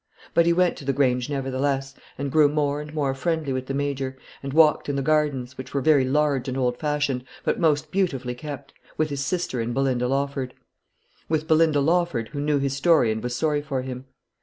But he went to the Grange nevertheless, and grew more and more friendly with the Major, and walked in the gardens which were very large and old fashioned, but most beautifully kept with his sister and Belinda Lawford; with Belinda Lawford, who knew his story and was sorry for him.